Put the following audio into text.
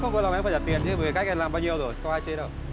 không vừa lòng em phải trả tiền chứ vì cách em làm bao nhiêu rồi không ai chết đâu